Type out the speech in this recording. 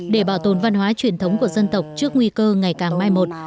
để bảo tồn văn hóa truyền thống của dân tộc trước nguy cơ ngày càng mai một